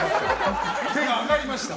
手が上がりました。